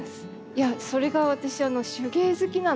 いやそれが私手芸好きなので。